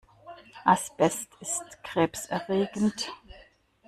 Asbest ist krebserregend.